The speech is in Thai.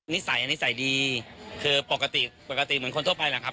นิสัยนิสัยดีคือปกติปกติเหมือนคนทั่วไปแหละครับ